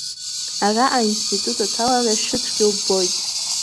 Араҟа аинститут аҭалара шыцәгьоу ббоит.